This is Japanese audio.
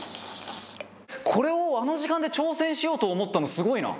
これをあの時間で挑戦しようと思ったのすごいな。